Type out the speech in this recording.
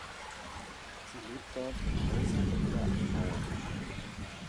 Sie lebt dort in Häusern oder an Mauern.